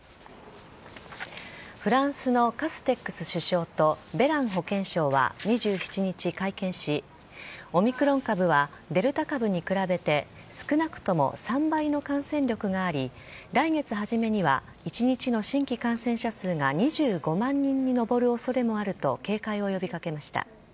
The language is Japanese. フランスのカステックス首相とベラン保健相は２７日、会見し、オミクロン株はデルタ株に比べて少なくとも３倍の感染力があり、来月初めには１日の新規感染者数が２５万人に上るおそれもあると警戒を呼びかけました。